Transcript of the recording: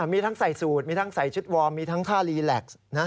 มีทั้งใส่สูตรมีทั้งใส่ชุดวอร์มมีทั้งท่าลีแล็กซ์